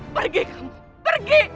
pergi kamu pergi